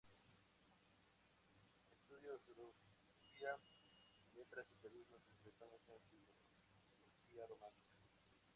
Estudió Filosofía y Letras y Periodismo, especializándose en Filología románica.